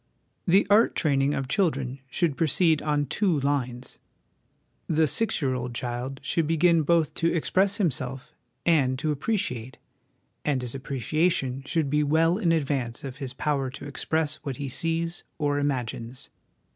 The art training of children should proceed on two lines. The six year old child should begin both to express himself and to appreci ate, and his appreciation should be well in advance of his power to express what he sees or imagines.